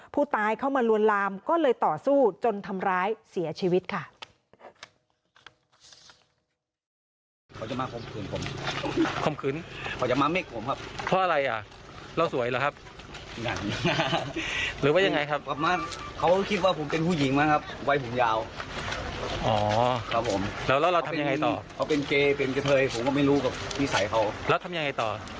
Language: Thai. ผู้ตายเข้ามาลวนลามก็เลยต่อสู้จนทำร้ายเสียชีวิตค่ะ